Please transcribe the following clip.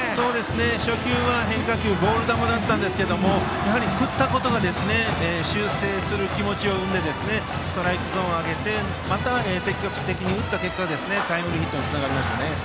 初球は変化球のボール球でしたが振ったことが修正する気持ちを生んでストライクゾーンを上げてまた積極的に打った結果、タイムリーヒットにつながりましたね。